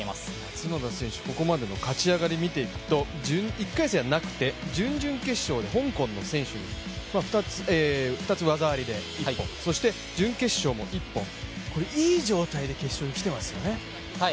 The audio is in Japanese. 角田選手、ここまでの勝ち上がりを見ていくと１回戦はなくて準々決勝で香港の選手に２つ技ありで一本、そして準決勝も一本、いい状態で決勝に来ていますよね。